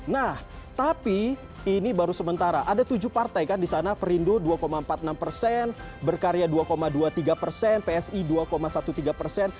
nah tapi ini baru sementara ada tujuh partai kan di sana perindo dua empat puluh enam persen berkarya dua dua puluh tiga persen psi dua tiga belas persen